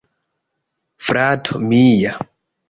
Frato mia..